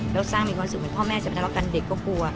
แล้วสร้างมีความสุขเหมือนพ่อแม่จะทะเลาะกันเด็กก็กลัว